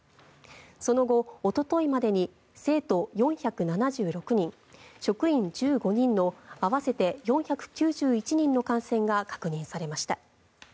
その後、おとといまでに生徒４７６人、職員１５人の合わせて４９１人の感染が確認されました。